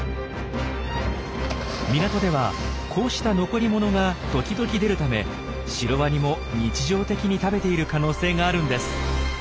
港ではこうした残りものが時々出るためシロワニも日常的に食べている可能性があるんです。